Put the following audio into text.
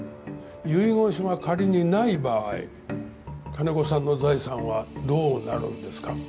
遺言書が仮にない場合金子さんの財産はどうなるんですか？